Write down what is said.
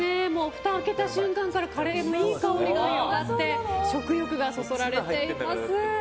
ふたを開けた瞬間からカレーのいい香りが広がって食欲がそそられています。